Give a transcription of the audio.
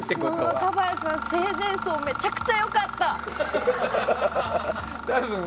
若林さんの生前葬めちゃくちゃ良かった。